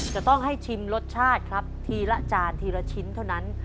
จะต้องให้ชิมรสชาติครับทีละจานทีละชิ้นเท่านั้น